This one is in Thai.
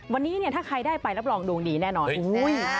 วันนี้เนี่ยถ้าใครได้ไปรับรองดวงดีแน่นอน